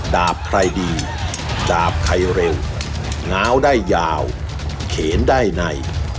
ดาบใครดีดาบใครเร็วง้าวได้ยาวเขนได้ใน